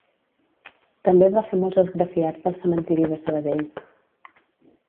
També va fer molts esgrafiats del Cementiri de Sabadell.